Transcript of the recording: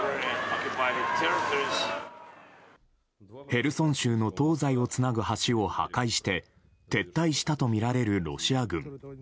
ヘルソン州の東西をつなぐ橋を破壊して撤退したとみられるロシア軍。